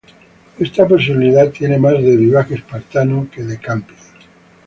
Esta posibilidad tiene más de vivac espartano que de camping.